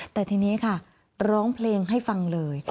แต่ทีนี้ค่ะร้องเพลงให้ฟังเลย